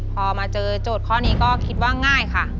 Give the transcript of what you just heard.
พอมาเจอโจทย์ข้อนี้ก็คิดว่าง่ายค่ะ